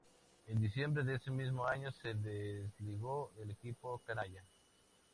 En diciembre de ese mismo año se desligó del equipo "canalla".